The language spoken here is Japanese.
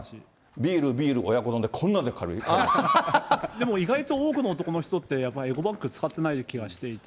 ビール、ビール、でも意外と多くの男の人って、やっぱりエコバッグ使ってない気がしていて。